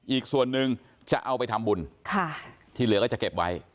อีกส่วนหนึ่งจะเอาไปทำบุญที่เหลือก็จะเก็บไว้